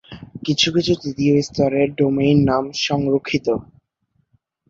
কিছু কিছু তৃতীয় স্তরের ডোমেইন নাম সংরক্ষিত।